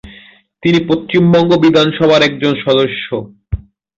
তিনি পশ্চিমবঙ্গ বিধানসভার একজন সদস্য।